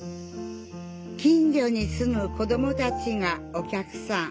近所に住む子どもたちがお客さん。